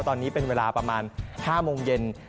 ตอนนี้เป็นเวลาประมาณ๕โมงเย็น